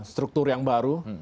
struktur yang baru